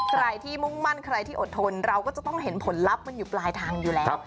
ใครที่มุ่งมั่นใครที่อดทนเราก็จะต้องเห็นผลลัพธ์มันอยู่ปลายทางอยู่แล้ว